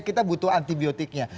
kita butuh antibiotiknya